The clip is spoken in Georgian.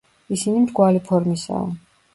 ისინი მრგვალი ფორმისაა.